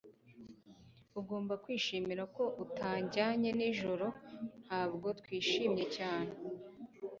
Ugomba kwishimira ko utajyanye nijoro. Ntabwo twishimye cyane.